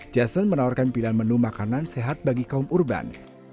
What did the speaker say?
jason menawarkan pilihan menu makanan sehat bagi kaum urban